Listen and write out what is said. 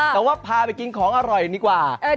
แต่ว่าพาไปกินของอร่อยดีกว่า